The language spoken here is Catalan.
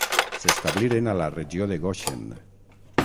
S'establiren a la regió de Goshen.